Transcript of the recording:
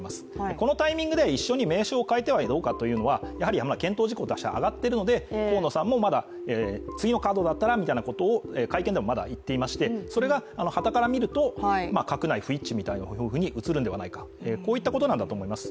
このタイミングで一緒に名称を変えてはどうかというのは検討事項として上がっているので、河野さんもまだ次のカードだったらみたいなことでも会見でもまだ言っていまして、それがはたから見ると閣内不一致のように映るんではないかこういったことなんだと思います。